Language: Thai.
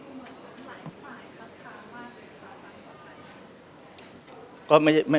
มีคุณผู้ชมหลายฝ่ายรักษาว่าเป็นเรื่องสอดใจหรือสอดใจ